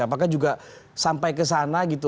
apakah juga sampai ke sana gitu